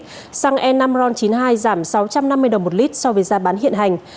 giá xăng e năm ron chín mươi hai giảm sáu trăm năm mươi đồng một lít so với giá bán hiện hành